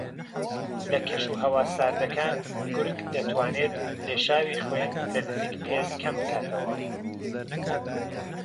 لە کەش و ھەوا ساردەکان گورگ دەتوانێت لێشاوی خوێن لە نزیک پێست کەم بکاتەوە